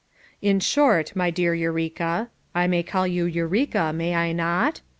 "in abort, my dear Eureka— T may will you 'Eureka/ may I not?